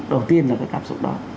đầu tiên là cái cảm xúc đó